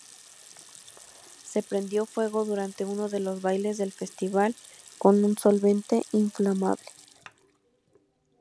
Se prendió fuego durante uno de los bailes del festival con un solvente inflamable.